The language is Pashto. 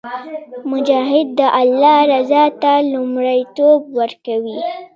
مجاهد د الله رضا ته لومړیتوب ورکوي.